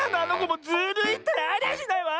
もうズルいったらありゃしないわ！